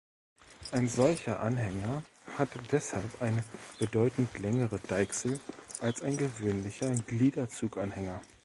Ein solcher Anhänger hat deshalb eine bedeutend längere Deichsel als ein gewöhnlicher Gliederzug-Anhänger.